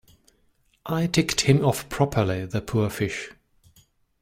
I ticked him off properly, the poor fish.